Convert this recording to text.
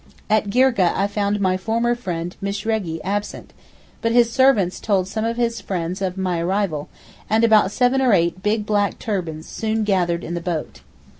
At Girgeh I found my former friend Mishregi absent, but his servants told some of his friends of my arrival, and about seven or eight big black turbans soon gathered in the boat.